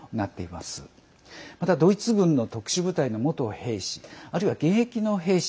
またドイツ軍の特殊部隊の元兵士あるいは、現役の兵士